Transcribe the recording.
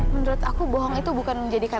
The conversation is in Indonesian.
menurut aku bohong itu bukan menjadi penipu ya